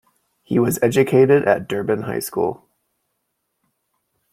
He was educated at Durban High School.